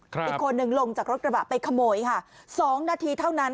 อีกคนหนึ่งลงจากรถกระบะไปขโมยค่ะสองนาทีเท่านั้น